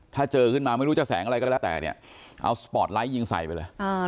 ถ้าเจอขึ้นมาไม่รู้จะแสงอะไรก็แล้วแต่เนี่ยเอาสปอร์ตไลท์ยิงใส่ไปเลย